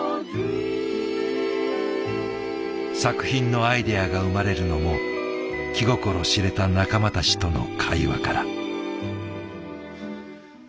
作品のアイデアが生まれるのも気心知れた仲間たちとの会話から。